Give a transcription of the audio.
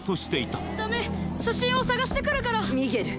写真を探してくるからミゲル